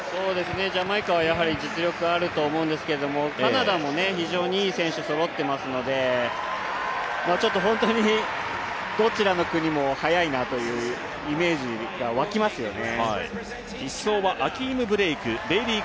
ジャマイカは実力があると思うんですけれども、カナダも非常にいい選手がそろっていますので、どちらの国も速いなというイメージが沸きますよね。